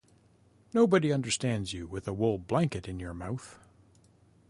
Nobody understands you with a wool blanket in your mouth.